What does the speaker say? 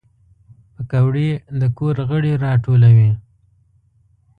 پکورې د کور غړي راټولوي